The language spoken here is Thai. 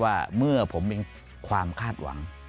ว่าเมื่อผมเป็นความคาดหวัง